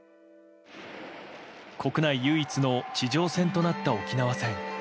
国内唯一の地上戦となった沖縄戦。